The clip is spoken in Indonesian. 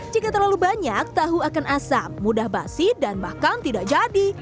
jika terlalu banyak tahu akan asam mudah basi dan bahkan tidak jadi